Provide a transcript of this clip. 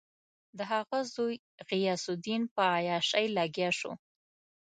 د هغه زوی غیاث الدین په عیاشي لګیا شو.